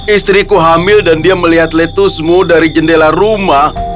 istriku hamil dan dia melihat letusmu dari jendela rumah